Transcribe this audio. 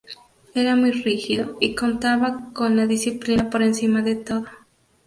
Era muy rígido y contaba con la disciplina por encima de todo.